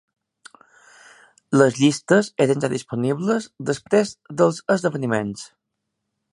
Les llistes eren ja disponibles després dels esdeveniments.